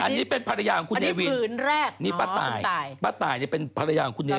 อันนี้เป็นภรรยาของคุณเนวินคืนแรกนี่ป้าตายป้าตายเนี่ยเป็นภรรยาของคุณเน